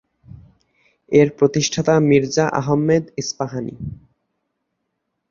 এর প্রতিষ্ঠাতা মির্জা আহমেদ ইস্পাহানি।